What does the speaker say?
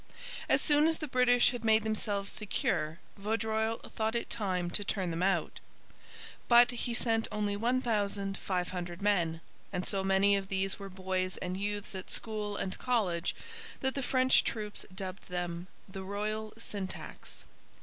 As soon as the British had made themselves secure Vaudreuil thought it time to turn them out. But he sent only 1,500 men; and so many of these were boys and youths at school and college that the French troops dubbed them 'The Royal Syntax.'